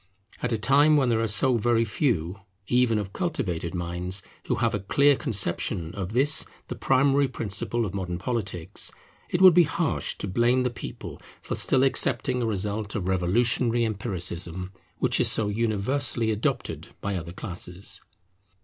At a time when there are so very few, even of cultivated minds, who have a clear conception of this the primary principle of modern politics, it would be harsh to blame the people for still accepting a result of revolutionary empiricism, which is so universally adopted by other classes.